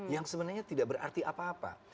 yang sebenarnya tidak berarti apa apa